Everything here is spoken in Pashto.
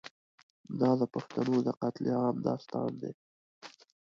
دا د پښتنو د قتل عام داستان دی.